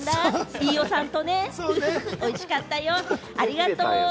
飯尾さんとね、おいしかったよ、ありがとう。